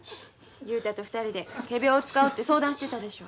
雄太と２人で仮病を使おうて相談してたでしょう。